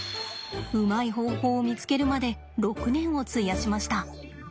うまい方法を見つけるまで６年を費やしました。